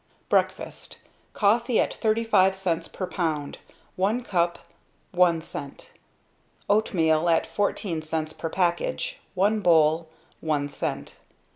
"Breakfast. Coffee at thirty five cents per pound, one cup, one cent. Oatmeal at fourteen cents per package, one bowl, one cent.